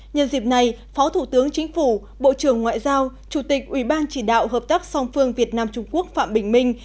nhân dịp này phó thủ tướng chính phủ bộ trưởng ngoại giao chủ tịch ủy ban chỉ đạo hợp tác song phương việt nam trung quốc phạm bình minh